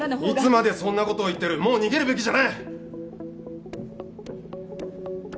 いつまでそんなことを言ってるもう逃げるべきじゃない！